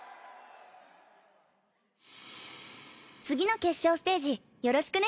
次の決勝ステージよろしくね！